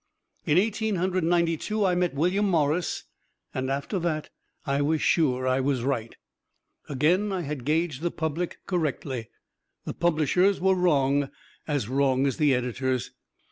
In Eighteen Hundred Ninety two, I met William Morris, and after that I was sure I was right. Again I had gauged the public correctly the publishers were wrong, as wrong as the editors.